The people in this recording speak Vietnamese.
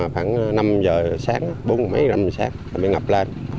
phản năm giờ sáng bốn mấy giờ sáng bị ngập lên